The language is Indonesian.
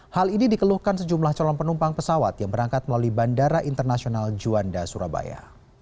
hal ini dikeluhkan sejumlah calon penumpang pesawat yang berangkat melalui bandara internasional juanda surabaya